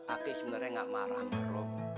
aki sebenarnya gak marah rom